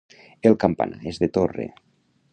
El campanar és de torre.